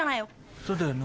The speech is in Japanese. そうだよな。